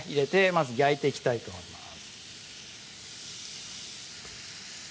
まず焼いていきたいと思います